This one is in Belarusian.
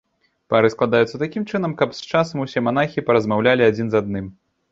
Пары складаюцца такім чынам, каб з часам усе манахі паразмаўлялі адзін з адным.